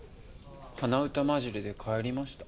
鼻歌まじりで帰りました。